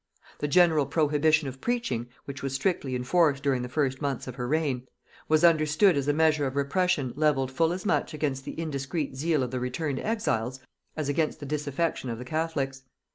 The general prohibition of preaching, which was strictly enforced during the first months of her reign, was understood as a measure of repression levelled full as much against the indiscreet zeal of the returned exiles, as against the disaffection of the catholics.